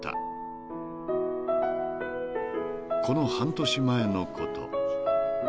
［この半年前のこと］